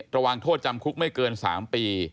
ระวังโทษจำคุกไม่เกิน๓ปี